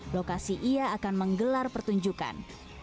lokasi ia akan menggelar pertunjukan